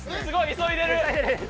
急いでる！